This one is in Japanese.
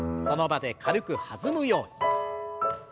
その場で軽く弾むように。